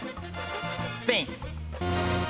スペイン。